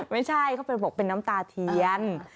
ไม่ใช่เขาไปบอกเป็นน้ำตาเทียน